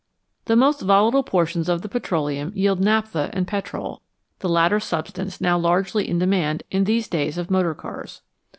The most volatile portions of the petroleum yield naphtha and petrol, the latter substance now largely in demand in those days of motor cars.